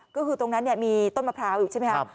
ก็คือตรงนั้นมีต้นมะพร้าวอยู่ใช่ไหมครับ